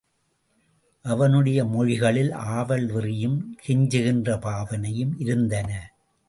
அவனுடைய மொழிகளில் ஆவல் வெறியும் கெஞ்சுகின்ற பாவனையும் இருந்தன.